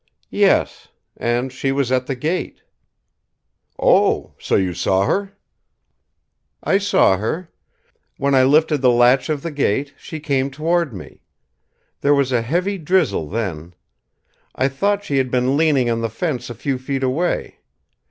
"Yes. And she was at the gate." "Oh! So you saw her?" "I saw her. When I lifted the latch of the gate, she came toward me. There was a heavy drizzle then. I thought she had been leaning on the fence a few feet away.